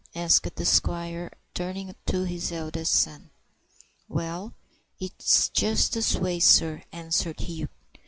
asked the squire, turning to his eldest son. "Well, it's just this way, sir," answered Hugh.